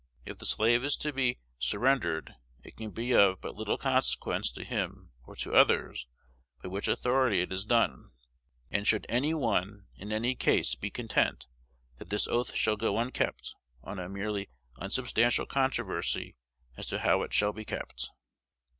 If the slave is to be surrendered, it can be of but little consequence to him or to others by which authority it is done; and should any one in any case be content that this oath shall go unkept on a merely unsubstantial controversy as to how it shall be kept?